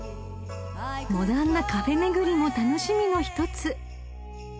［モダンなカフェ巡りも楽しみの１つ］